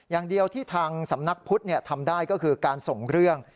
อย่างเดียวที่ทางสำนักพุทธทำได้ก็คือการส่งเรื่อง